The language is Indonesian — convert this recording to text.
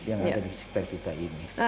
dan di sekitar kita ini